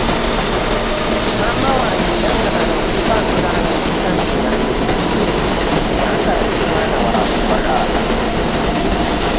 Maama wange yangaana okutambula nga ebisambi byange biri bweru kubanga ndi mwana wabula.